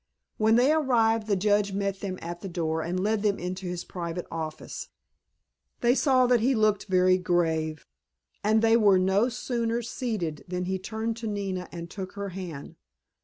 When they arrived the Judge met them at the door and led them into his private office. They saw that he looked very grave, and they were no sooner seated than he turned to Nina and took her hand.